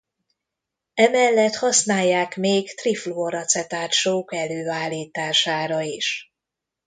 Emellett használják még trifluoracetát-sók előállítására is.